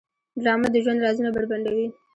ډرامه د ژوند رازونه بربنډوي